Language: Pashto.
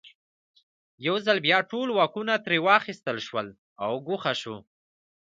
یو ځل بیا ټول واکونه ترې واخیستل شول او ګوښه شو.